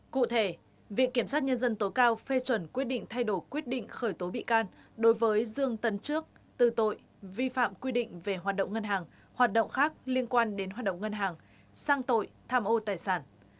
cụ thể viện kiểm sát nhân dân tối cao phê chuẩn quyết định thay đổi quyết định khởi tố bị can đối với dương tấn trước tư tội vi phạm quy định về hoạt động ngân hàng hoạt động khác liên quan đến hoạt động ngân hàng sang tội tham ô tài sản